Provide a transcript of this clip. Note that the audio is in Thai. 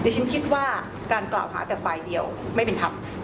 ฉันคิดว่าการกล่าวหาแต่ฝ่ายเดียวไม่เป็นธรรม